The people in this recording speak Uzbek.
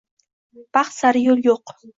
Baxt sari yo’l yo’q